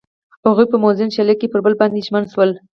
هغوی په موزون شعله کې پر بل باندې ژمن شول.